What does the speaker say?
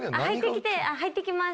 入ってきます。